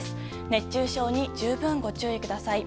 熱中症に十分ご注意ください。